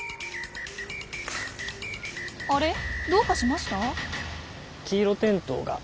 あれどうかしました？